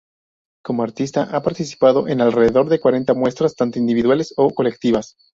Como artista ha participado en alrededor de cuarenta muestras, tanto individuales o colectivas.